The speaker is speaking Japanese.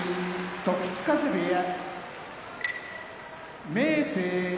時津風部屋明生